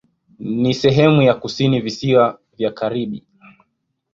Ni sehemu ya kusini Visiwa vya Karibi.